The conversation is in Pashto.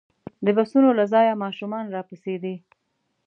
د بسونو له ځایه ماشومان راپسې دي.